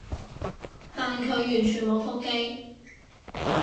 但佢完全冇覆機